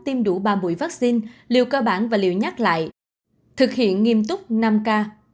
tiêm đủ ba mũi vaccine liều cơ bản và liều nhắc lại thực hiện nghiêm túc năm k